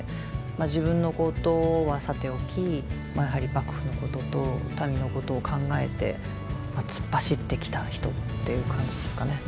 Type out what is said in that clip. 自分のことはさておきやはり幕府のことと民のことを考えて突っ走ってきた人っていう感じですかね。